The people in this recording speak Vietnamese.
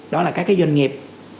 đó là các doanh nghiệp